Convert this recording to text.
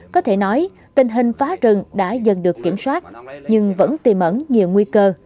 có thể nói tình hình phá rừng đã dần được kiểm soát nhưng vẫn tìm ẩn nhiều nguy cơ